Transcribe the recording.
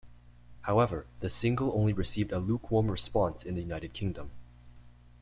However, the single only received a lukewarm response in the United Kingdom.